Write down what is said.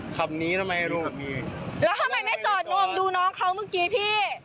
ขับนี้ทำไมลูกแบบนี้แล้วทำไมไม่จอดงวงดูน้องเขาเมื่อกี้พี่